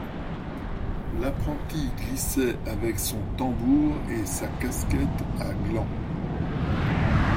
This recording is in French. L'apprenti glissait avec son tambour et sa casquette à gland.